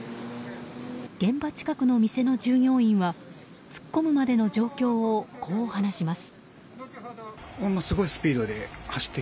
現場近くの店の従業員は突っ込むまでの状況をこう話します。